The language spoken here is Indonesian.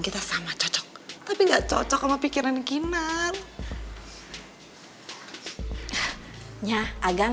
bisa mewah noir bezanya